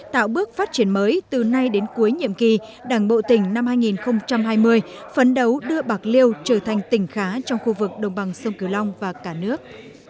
tạo bước phát triển mới từ nay đến cuối nhiệm kỳ đảng bộ tỉnh năm hai nghìn hai mươi phấn đấu đưa bạc liêu trở thành tỉnh khá trong khu vực đồng bằng sông cửu long và cả nước